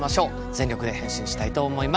全力で返信したいと思います。